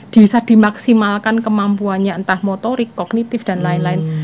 bisa dimaksimalkan kemampuannya entah motorik kognitif dan lain lain